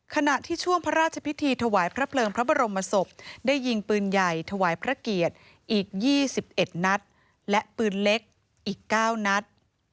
ขณะที่ช่วงพระราชพิธีถวายพระเพลิงพระบรมศพได้ยิงปืนใหญ่ถวายพระเกียรติอีก๒๑นัดและปืนเล็กอีก๙นัด